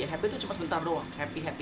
happy itu hanya sebentar saja happy happy